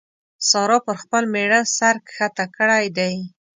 سارا پر خپل مېړه سر کښته کړی دی.